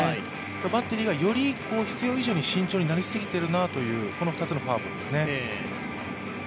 バッテリーがより必要以上に慎重になりすぎているなというこの２つのポイントですね。